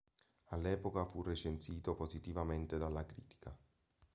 All'epoca fu recensito positivamente dalla critica.